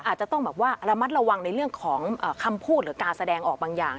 อาจจะต้องแบบว่าระมัดระวังในเรื่องของคำพูดหรือการแสดงออกบางอย่าง